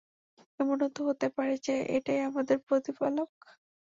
এমনও তো হতে পারে যে, এটাই আমাদের প্রতিপালক!